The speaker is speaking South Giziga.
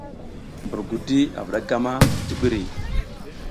Mbur gudi vuɗa gam a ti ɓiri .